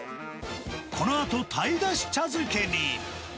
このあとタイだし茶漬けに。